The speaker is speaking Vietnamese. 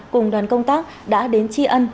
cùng đoàn công tác đã đến chi ân